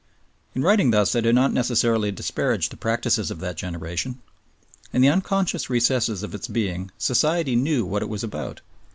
In writing thus I do not necessarily disparage the practices of that generation. In the unconscious recesses of its being Society knew what it was about.